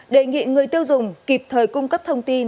đề nghị người tiêu dùng kịp thời cung cấp thông tin